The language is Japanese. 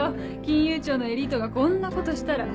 金融庁のエリートがこんなことしたら。